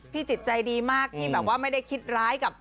พี่จิตใจดีมากไม่ได้คิดร้ายกับ